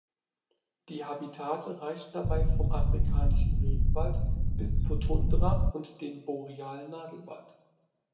Die Habitate reichen dabei vom afrikanischen Regenwald bis zur Tundra und dem borealen Nadelwald.